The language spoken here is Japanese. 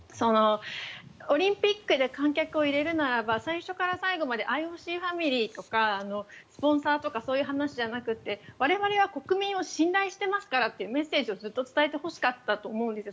オリンピックで観客を入れるならば最初から最後までＩＯＣファミリーとかスポンサーとかそういう話じゃなくて我々は国民を信頼していますからというメッセージをずっと伝えてほしかったと思うんですよ。